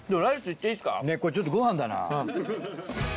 ねっこれちょっとご飯だな。